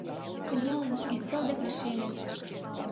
Кынелын, ӱстел деке лишеме.